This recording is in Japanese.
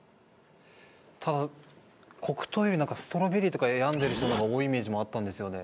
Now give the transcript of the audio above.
ただ黒糖よりストロベリーとか選んでる人の方が多いイメージもあったんですよね。